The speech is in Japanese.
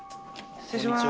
失礼します。